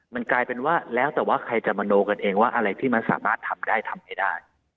มันกลายเป็นว่าแล้วแต่ว่าใครจะมโนกันเองว่าอะไรที่มันสามารถทำได้ทำไม่ได้